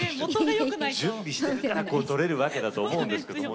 準備してるからこう撮れるわけだと思うんですけども。